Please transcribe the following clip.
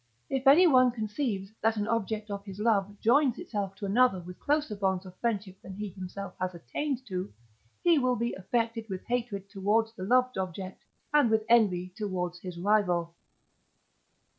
If anyone conceives, that an object of his love joins itself to another with closer bonds of friendship than he himself has attained to, he will be affected with hatred towards the loved object and with envy towards his rival.